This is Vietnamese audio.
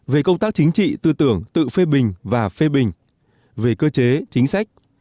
về công tác chính trị tư tưởng tự phê bình và phê bình về cơ chế chính sách